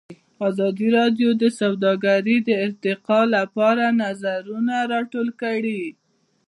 ازادي راډیو د سوداګري د ارتقا لپاره نظرونه راټول کړي.